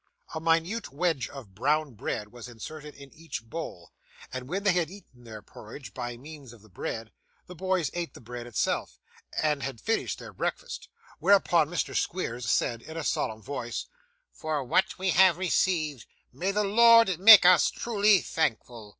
A minute wedge of brown bread was inserted in each bowl, and when they had eaten their porridge by means of the bread, the boys ate the bread itself, and had finished their breakfast; whereupon Mr. Squeers said, in a solemn voice, 'For what we have received, may the Lord make us truly thankful!